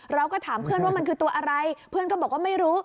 เราก็ถามเพื่อนว่ามันคือตัวอะไรเพื่อนก็บอกว่าไม่รู้